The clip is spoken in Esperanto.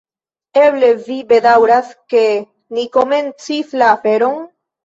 Eble vi bedaŭras, ke ni komencis la aferon?